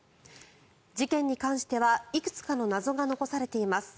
事件に関してはいくつかの謎が残されています。